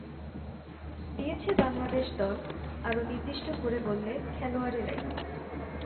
দিয়েছে বাংলাদেশ দল, আরও নির্দিষ্ট করে বললে খেলোয়াড়েরাই।